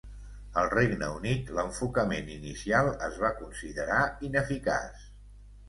Al Regne Unit, l'enfocament inicial es va considerar ineficaç.